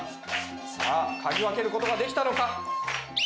さあ嗅ぎ分ける事ができたのか？